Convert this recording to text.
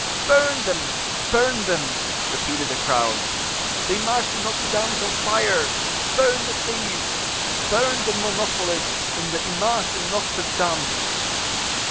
"Burn them! burn them!" repeated the crowd. "The Image de Notre Dame is on fire! Burn the thieves! burn the monopolists in the Image de Notre Dame!"